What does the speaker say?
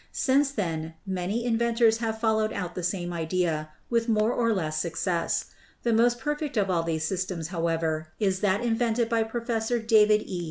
Since then many inventors have followed out the same idea, with more or less suc cess. The most perfect of all these systems, however, is that invented by Professor David E.